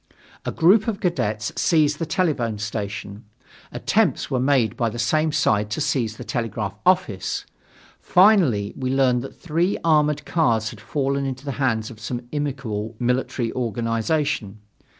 A group of cadets seized the telephone station. Attempts were made by the same side to seize the telegraph office. Finally, we learned that three armored cars had fallen into the hands of some inimical military organization.